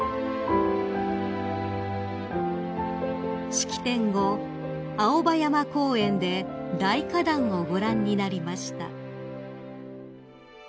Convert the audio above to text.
［式典後青葉山公園で大花壇をご覧になりました］